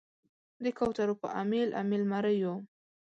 د کوترو په امیل، امیل مریو